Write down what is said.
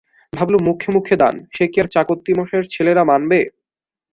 ভাবলুম মুখে মুখে দান, সে কি আর চাকত্তি মশাই-এর ছেলেরা মানবে?